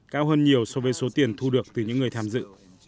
cao hơn nhiều so với số tiền thu được từ những người tham dự